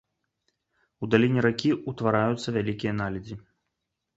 У даліне ракі ўтвараюцца вялікія наледзі.